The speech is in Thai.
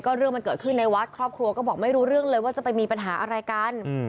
เรื่องมันเกิดขึ้นในวัดครอบครัวก็บอกไม่รู้เรื่องเลยว่าจะไปมีปัญหาอะไรกัน